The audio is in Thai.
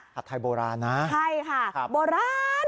ไทยโบราณนะใช่ค่ะโบราณ